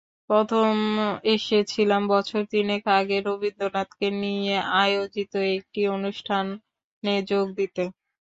প্রথম এসেছিলাম বছর তিনেক আগে, রবীন্দ্রনাথকে নিয়ে আয়োজিত একটি অনুষ্ঠানে যোগ দিতে।